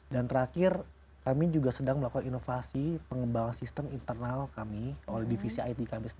dan terakhir kami juga sedang melakukan inovasi pengembangan sistem internal kami oleh divisi it